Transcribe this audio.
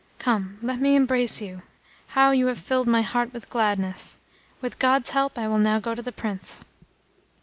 Come, let me embrace you! How you have filled my heart with gladness! With God's help, I will now go to the Prince."